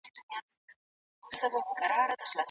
رایه ورکول یو مدني مسؤلیت هم دی.